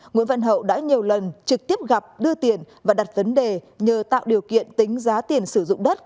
nguyễn văn hậu đã nhiều lần trực tiếp gặp đưa tiền và đặt vấn đề nhờ tạo điều kiện tính giá tiền sử dụng đất